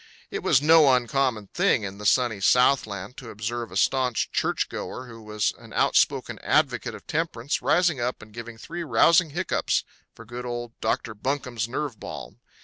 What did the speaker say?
It was no uncommon thing in the Sunny Southland to observe a staunch churchgoer who was an outspoken advocate of temperance rising up and giving three rousing hiccups for good old Dr. Bunkum's Nerve Balm.